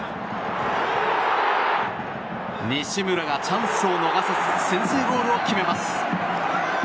西村がチャンスを逃さず先制ゴールを決めます。